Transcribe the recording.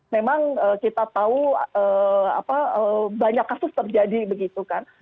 memang kita tahu banyak kasus terjadi begitu kan